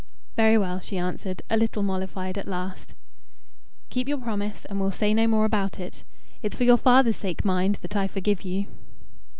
"Very well," she answered, a little mollified at last. "Keep your promise, and we'll say no more about it. It's for your father's sake, mind, that I forgive you."